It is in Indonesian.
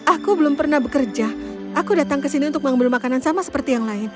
aku belum pernah bekerja aku datang ke sini untuk mengambil makanan sama seperti yang lain